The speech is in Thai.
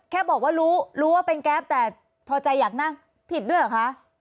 แค่บอกว่ารู้รู้ว่าเป็นแก๊ปแต่พอใจอยากนั่งผิดด้วยเหรอคะ